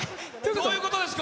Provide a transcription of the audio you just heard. どういうことですか？